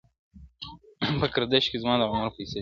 o په ګردش کي زما د عمر فیصلې دي,